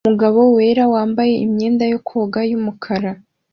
Umugabo wera wambaye imyenda yo koga yumukara